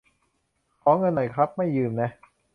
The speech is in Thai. ขอเงินหน่อยครับ ไม่ยืมนะ